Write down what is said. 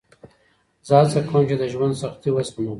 زه هڅه کوم چې د ژوند سختۍ وزغمه.